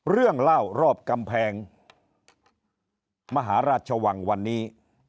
เรื่องเล่ารอบกำแพงมหาราชวังวันนี้